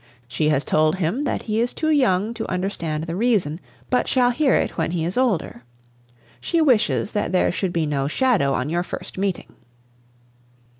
She has told him that he is too young to understand the reason, but shall hear it when he is older. She wishes that there should be no shadow on your first meeting."